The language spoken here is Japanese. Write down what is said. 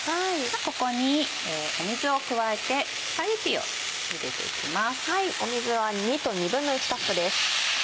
ここに水を加えてスパゲティを入れていきます。